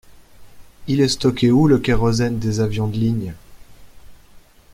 Il est stocké où le kérosène des avions de ligne?